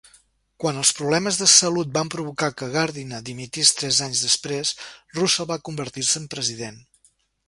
Quan els problemes de salut van provocar que Gardiner dimitís tres anys després, Russel va convertir-se en president.